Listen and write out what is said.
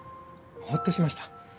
ほっとしました。